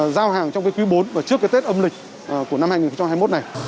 giao hàng trong cái quý bốn và trước cái tết âm lịch của năm hai nghìn hai mươi một này